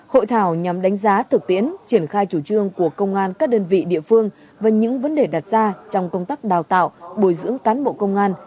hội thảo nhằm đánh giá thực tiễn triển khai chủ trương của công an các đơn vị địa phương và những vấn đề đặt ra trong công tác đào tạo bồi dưỡng cán bộ công an